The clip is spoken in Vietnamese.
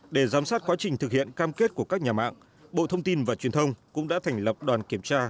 để giám sát quá trình thực hiện cam kết của các nhà mạng bộ thông tin và truyền thông cũng đã thành lập đoàn kiểm tra